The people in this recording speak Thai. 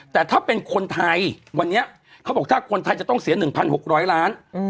แต่ถ้าเป็นคนไทยวันนี้เขาบอกถ้าคนไทยจะต้องเสีย๑๖๐๐ล้าน